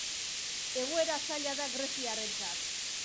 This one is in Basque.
Egoera zaila da greziarrentzat.